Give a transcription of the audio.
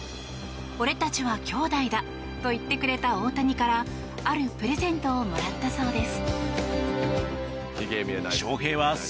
俺たちは兄弟だと言ってくれた大谷からあるプレゼントをもらったそうです。